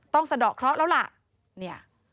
ต้องสะดอกเคราะห์แล้วล่ะ